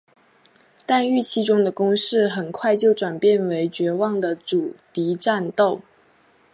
但预期中的攻势很快就转变成绝望的阻敌战斗。